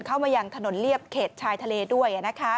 เข้ามายังถนนเรียบเขตชายทะเลด้วย